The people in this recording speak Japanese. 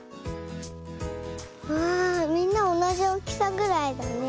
わあみんなおなじおおきさぐらいだね。